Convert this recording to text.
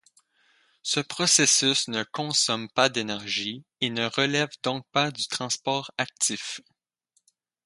Ce processus ne consomme pas d'énergie et ne relève donc pas du transport actif.